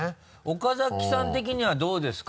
岡崎さん的にはどうですか？